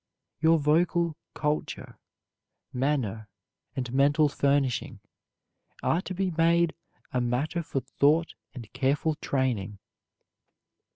Your vocal culture, manner, and mental furnishing, are to be made a matter for thought and careful training.